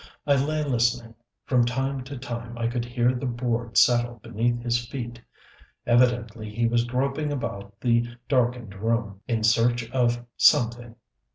I lay listening: from time to time I could hear the boards settle beneath his feet. Evidently he was groping about the darkened room, in search of something....